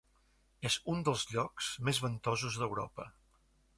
És un dels llocs més ventosos d'Europa.